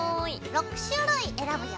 ６種類選ぶよ。